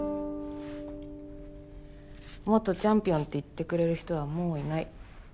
元チャンピオンって言ってくれる人はもういない。